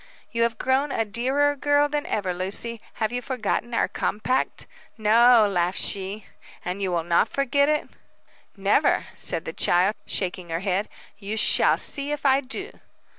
"You have grown a dearer girl than ever, Lucy. Have you forgotten our compact?" "No," laughed she. "And you will not forget it?" "Never," said the child, shaking her head. "You shall see if I do."